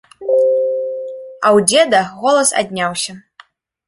А ў дзеда голас адняўся.